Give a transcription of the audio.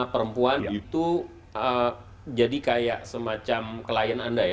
perempuan itu jadi kayak semacam klien anda ya